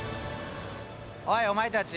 おいお前たち！